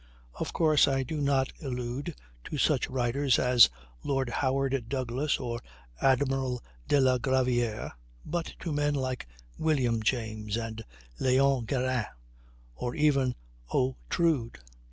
Of course I do not allude to such writers as Lord Howard Douglass or Admiral de la Gravière, but to men like William James and Léon Guérin, or even O. Troude.